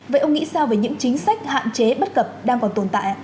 vậy ông nghĩ sao về những chính sách hạn chế bất cập đang còn tồn tại